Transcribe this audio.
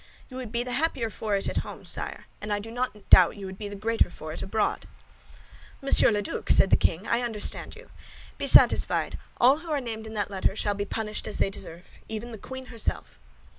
You would be the happier for it at home, sire, and I do not doubt you would be the greater for it abroad." "Monsieur Duke," said the king, "I understand you. Be satisfied, all who are named in that letter shall be punished as they deserve, even the queen herself."